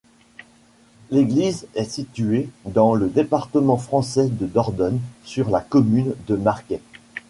L'église est située dans le département français de Dordogne, sur la commune de Marquay.